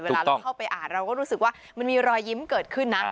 เวลาเราเข้าไปอ่านเราก็รู้สึกว่ามันมีรอยยิ้มเกิดขึ้นนะ